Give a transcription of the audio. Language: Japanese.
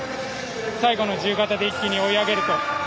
最後の自由形で一気に追い上げる。